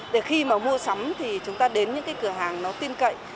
để khi mà mua sắm thì chúng ta đến những cái cửa hàng nó tin cậy